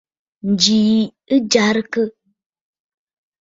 Ǹjì yì ɨ jɛrɨkə.